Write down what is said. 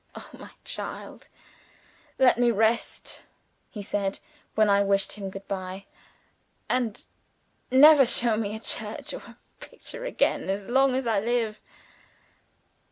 "Oh, my child, let me rest!" he said, when I wished him good bye. "And never show me a church or a picture again as long as I live!"